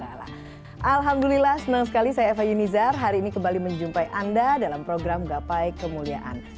alhamdulillah senang sekali saya eva yunizar hari ini kembali menjumpai anda dalam program gapai kemuliaan